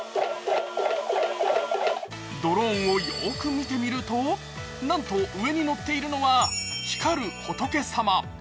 ドローンをよく見てみるとなんと上に乗っているのは光る仏様。